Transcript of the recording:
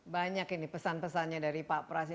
banyak ini pesan pesannya dari pak pras